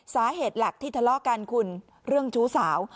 สาเหตุหลักที่ทะเลาะกันคุณเรื่องชู้สาว